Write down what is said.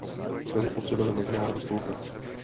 K tomu potřebujeme mezinárodní spolupráci.